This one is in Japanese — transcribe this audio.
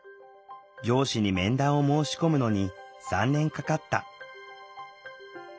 上司に面談を申し込むのに３年かかった。